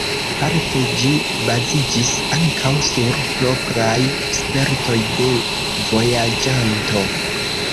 Parte ĝi baziĝis ankaŭ sur propraj spertoj de vojaĝanto.